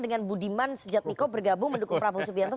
dengan budiman sujat miko bergabung mendukung prabowo subianto